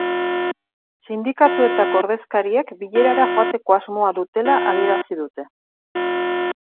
Sindikatuetako ordezkariek bilerara joateko asmoa dutela adierazi dute.